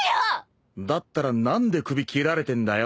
だったら何で首斬られてんだよ。